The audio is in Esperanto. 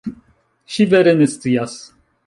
Ŝi vere ne scias.